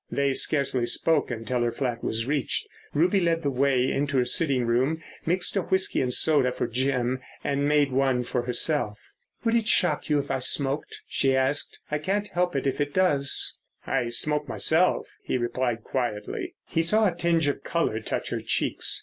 They scarcely spoke until her flat was reached. Ruby led the way into her sitting room, mixed a whisky and soda for Jim and made one for herself. "Would it shock you if I smoked?" she asked. "I can't help it if it does." "I smoke myself," he replied quietly. He saw a tinge of colour touch her cheeks.